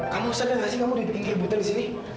kamu usah gak sih kamu dibikin keributan disini